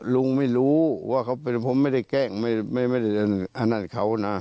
ลุงไม่รู้ว่าผมไม่ได้แกล้งไม่ได้อาณาจเขานะ